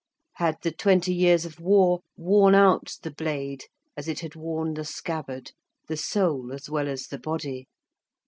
Had the twenty years of war worn out the blade as it had worn the scabbard, the soul as well as the body?